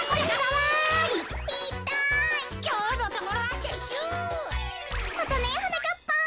またねはなかっぱん。